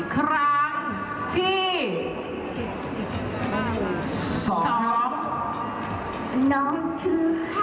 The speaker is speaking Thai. ๕๓๐๐๐ครั้งที่๒น้องน้องคือ๕